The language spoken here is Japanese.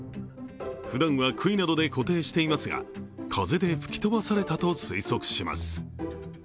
ふだんはくいなどで固定していますが、風で吹き飛ばされたと推測します。